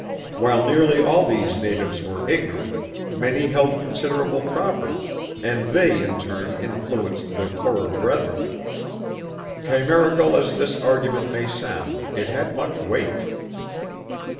While nearly all these natives were ignorant, many held considerable property and they in turn influenced their poorer brethren. Chimerical as this argument may sound, it had much weight.